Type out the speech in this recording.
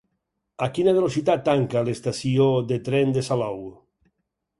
A quina velocitat tanca l'estació de tren de Salou?